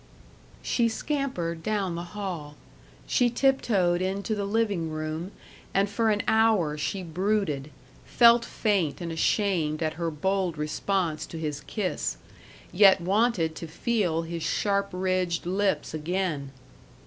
She scampered down the hall. She tiptoed into the living room, and for an hour she brooded, felt faint and ashamed at her bold response to his kiss, yet wanted to feel his sharp ridged lips again.